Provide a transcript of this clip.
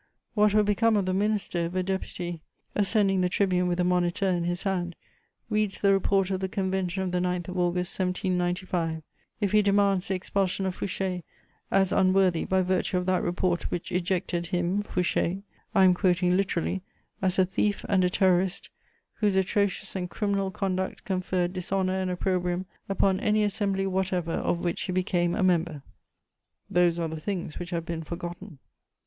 What will become of the minister if a deputy, ascending the tribune with a Moniteur in his hand, reads the report of the Convention of the 9th of August 1795; if he demands the expulsion of Fouché, as unworthy by virtue of that report which 'ejected him, Fouché' I am quoting literally 'as a thief and a terrorist, whose atrocious and criminal conduct conferred dishonour and opprobrium upon any assembly whatever of which he became a member?'" Those are the things which have been forgotten!